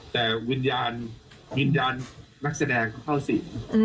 แต่วิญญาณนักแสดงเข้าสิน